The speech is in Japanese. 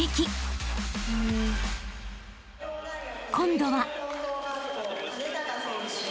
［今度は］